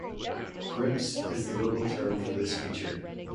'Grips' is the local term for this feature.